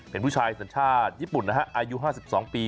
เป็นผู้ชายสัญชาติญี่ปุ่นนะฮะอายุ๕๒ปี